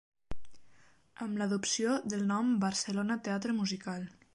Amb l'adopció del nom Barcelona Teatre Musical.